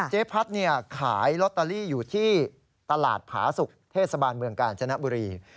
เจ๊พัดขายลอตเตอรี่อยู่ที่ตลาดผาสุกเทศบาลเมืองกาญจนบุรี